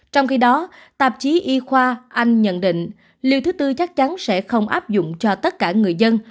trong khi đó tạp chí y khoa anh nhận định liều thứ tư chắc chắn sẽ không áp dụng cho tất cả người dân